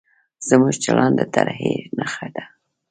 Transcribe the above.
زموږ چلند د ترهې نښه ده.